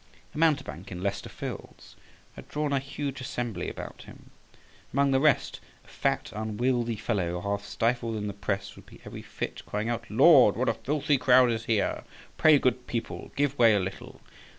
A mountebank in Leicester Fields had drawn a huge assembly about him. Among the rest, a fat unwieldy fellow, half stifled in the press, would be every fit crying out, "Lord! what a filthy crowd is here. Pray, good people, give way a little.